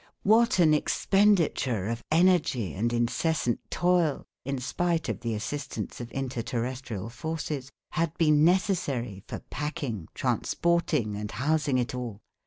What an expenditure of energy and incessant toil, in spite of the assistance of inter terrestrial forces, had been necessary for packing, transporting, and housing it all!